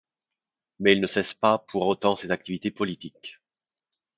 Mais il ne cesse pas pour autant ses activités politiques.